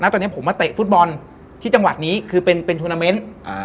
ตอนนี้ผมมาเตะฟุตบอลที่จังหวัดนี้คือเป็นทวนาเมนต์